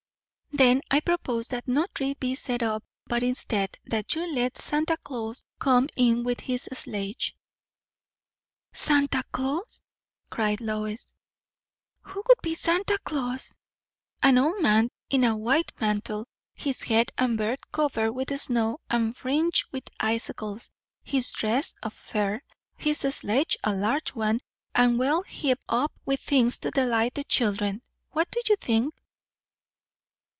"Then I propose that no tree be set up, but instead, that you let Santa Claus come in with his sledge." "Santa Claus!" cried Lois. "Who would be Santa Claus?" "An old man in a white mantle, his head and beard covered with snow and fringed with icicles; his dress of fur; his sledge a large one, and well heaped up with things to delight the children. What do you think?"